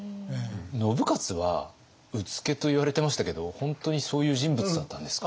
信雄は「うつけ」と言われてましたけど本当にそういう人物だったんですか？